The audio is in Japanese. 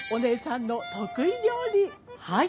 はい。